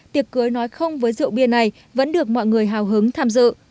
tiệc cưới nói không với rượu bia này vẫn được mọi người hào hứng tham dự